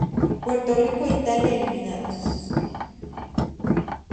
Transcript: Puerto Rico e Italia eliminados.